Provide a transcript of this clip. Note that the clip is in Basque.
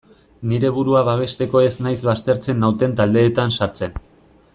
Nire burua babesteko ez naiz baztertzen nauten taldeetan sartzen.